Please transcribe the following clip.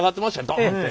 ドンって。